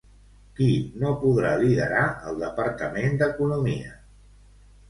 Qui no podrà liderar el departament d'Economia?